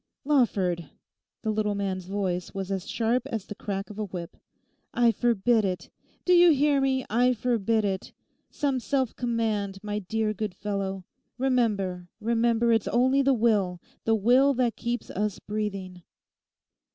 'Lawford!' the little man's voice was as sharp as the crack of a whip; 'I forbid it. Do you hear me? I forbid it. Some self command; my dear good fellow, remember, remember it's only the will, the will that keeps us breathing.